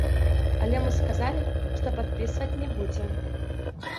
Але мы сказалі, што падпісваць не будзем.